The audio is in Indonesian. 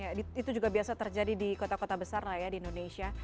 ya itu juga biasa terjadi di kota kota besar lah ya di indonesia